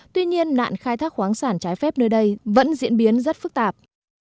tuy nhiên nạn khai thác khoáng sản trái phép nơi đây vẫn diễn biến rất phức tạp